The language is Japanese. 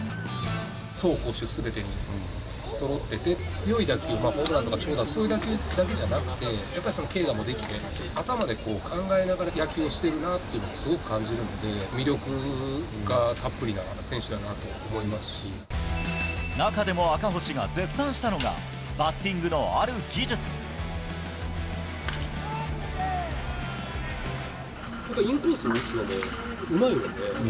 走攻守すべてに、そろってて、強い打球、ホームランとか長打、そういうだけじゃなくて、やっぱり軽打をできて、頭で考えながら野球をしてるなというのをすごい感じるので、魅力がたっぷりな選中でも、赤星が絶賛したのが、インコース打つのがうまいよね。